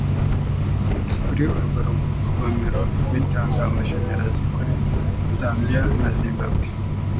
kuri urwo rugomero bitanga amashanyarazi kuri zambiya na zimbabwe